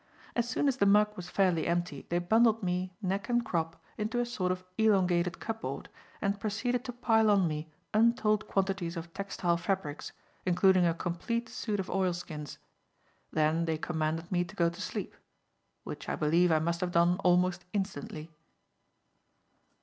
As soon as the mug was fairly empty, they bundled me, neck and crop, into a sort of elongated cupboard and proceeded to pile on me untold quantities of textile fabrics, including a complete suit of oilskins. Then they commanded me to go to sleep; which I believe I must have done almost instantly.